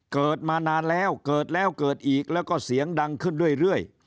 เกิดมานานแล้วเกิดแล้วเกิดอีกแล้วก็เสียงดังขึ้นเรื่อย